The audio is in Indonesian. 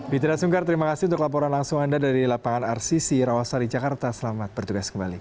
bitra sungkar terima kasih untuk laporan langsung anda dari lapangan rcc rawasari jakarta selamat bertugas kembali